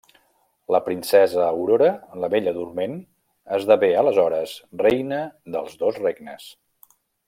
La Princesa Aurora, la Bella Dorment, esdevé aleshores reina dels dos regnes.